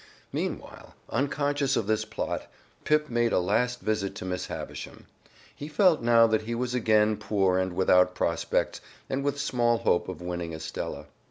Meanwhile, unconscious of this plot, Pip made a last visit to Miss Havisham. He felt now that he was again poor and without prospects, and with small hope of winning Estella.